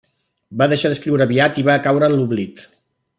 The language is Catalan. Va deixar d'escriure aviat i va caure en l'oblit.